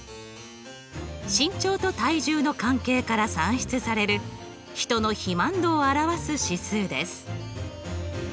身長と体重の関係から算出される人の肥満度を表す指数です。